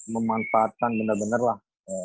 memanfaatkan bener bener lah